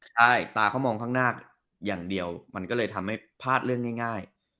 ใช่ตาเขามองข้างหน้าอย่างเดียวมันก็เลยทำให้พลาดเรื่องง่าย